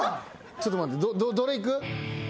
ちょっと待ってどれいく？